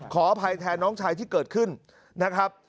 ขออภัยแทนน้องชายที่เกิดขึ้นนะครับ